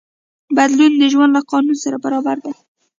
بدلون د ژوند له قانون سره برابر دی.